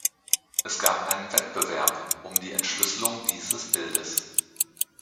Es gab einen Wettbewerb um die Entschlüsselung dieses Bildes.